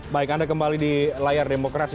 baik anda kembali di layar demokrasi